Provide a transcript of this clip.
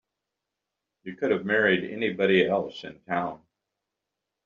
You could have married anybody else in town.